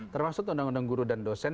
termasuk undang undang guru dan dosen